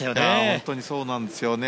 本当にそうなんですよね。